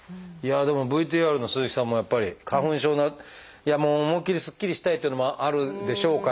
でもＶＴＲの鈴木さんもやっぱり花粉症思いっきりすっきりしたいっていうのもあるでしょうから。